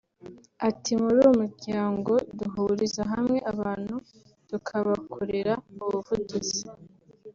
Ati “Muri uyu muryango duhuriza hamwe abantu tukabakorera ubuvugizi